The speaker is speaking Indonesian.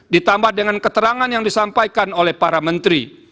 ditambah dengan keterangan yang disampaikan oleh para menteri